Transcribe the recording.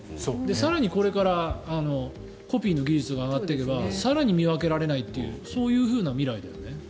更にこれからコピーの技術が上がっていけば更に見分けられないというそういう未来だよね。